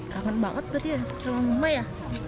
kangen banget berarti ya sama mama ya